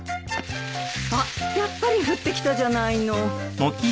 あっやっぱり降ってきたじゃないの。